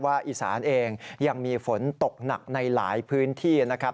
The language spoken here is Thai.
อีสานเองยังมีฝนตกหนักในหลายพื้นที่นะครับ